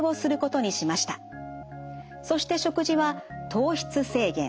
そして食事は糖質制限。